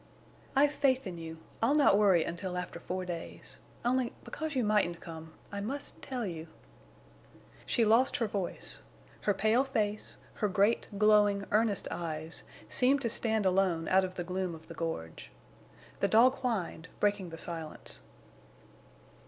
"I've faith in you. I'll not worry until after four days. Only—because you mightn't come—I must tell you—" She lost her voice. Her pale face, her great, glowing, earnest eyes, seemed to stand alone out of the gloom of the gorge. The dog whined, breaking the silence.